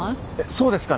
そうですかね？